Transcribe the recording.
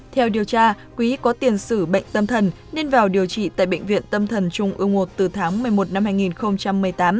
theo điều tra quý có tiền sử bệnh tâm thần nên vào điều trị tại bệnh viện tâm thần trung ương một từ tháng một mươi một năm hai nghìn một mươi tám